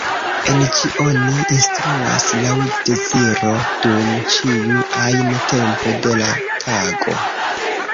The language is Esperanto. En ĝi oni instruas laŭ deziro dum ĉiu ajn tempo de la tago.